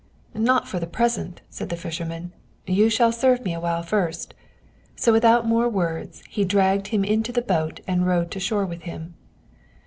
"Not for the present," said the fisherman. "You shall serve me awhile first." So without more words he dragged him into the boat and rowed to shore with him.